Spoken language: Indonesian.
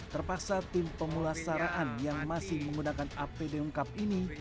terpaksa tim pemulasaraan yang masih menggunakan apd lengkap ini